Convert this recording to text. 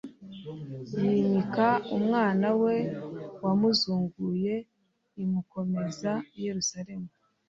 yimika umwana we wamuzunguye, imukomeza i Yerusalemu,